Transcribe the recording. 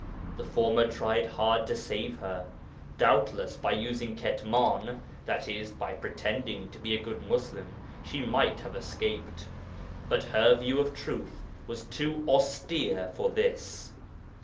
The former tried hard to save her. Doubtless by using Ketman (i.e. by pretending to be a good Muslim) she might have escaped. But her view of truth was too austere for this.